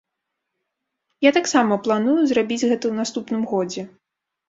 Я таксама планую зрабіць гэта ў наступным годзе.